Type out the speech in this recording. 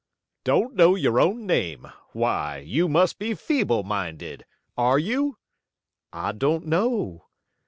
"Don't know your own name. Why, you must be feeble minded! Are you?" "I don't know."